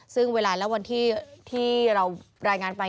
ซึ่งเวลาและวันที่เรารายงานไป